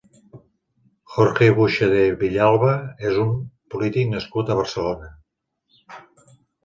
Jorge Buxadé Villalba és un polític nascut a Barcelona.